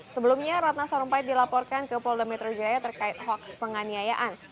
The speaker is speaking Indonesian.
sebelumnya ratna sorumpait dilaporkan ke polda metrojaya terkait hoaks penganiayaan